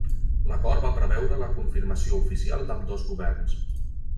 L'acord va preveure la confirmació oficial d'ambdós governs.